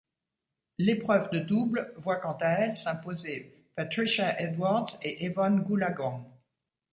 L'épreuve de double voit quant à elle s'imposer Patricia Edwards et Evonne Goolagong.